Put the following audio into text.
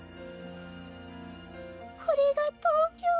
これが東京。